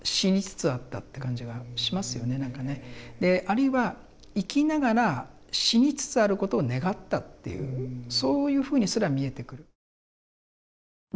あるいは生きながら死につつあることを願ったっていうそういうふうにすら見えてくる。